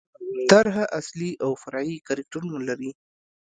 طرحه اصلي او فرعي کرکټرونه لري.